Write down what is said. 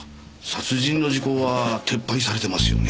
殺人の時効は撤廃されてますよね。